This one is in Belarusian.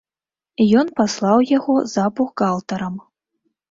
Ён паслаў яго за бухгалтарам.